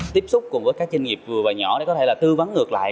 tiếp xúc cùng với các doanh nghiệp vừa và nhỏ để có thể là tư vấn ngược lại